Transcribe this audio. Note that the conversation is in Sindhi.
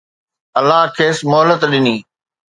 الله کيس مهلت ڏني